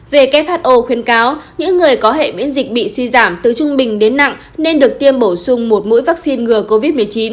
who khuyến cáo những người có hệ miễn dịch bị suy giảm từ trung bình đến nặng nên được tiêm bổ sung một mũi vaccine ngừa covid một mươi chín